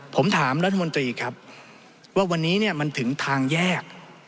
ผมถามรัฐมนตรีครับว่าวันนี้เนี่ยมันถึงทางแยก